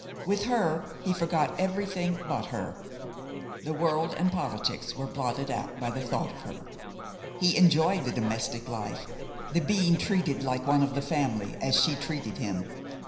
With her he forgot everything but her. The world and politics were blotted out by the thought of her; he enjoyed the domestic life, the being treated like one of the family, as she treated him.